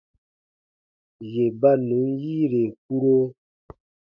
Yè ba nùn yiire kpuro.